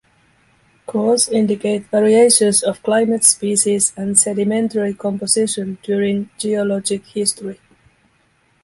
Cores indicate variations of climate, species and sedimentary composition during geologic history.